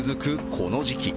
この時期。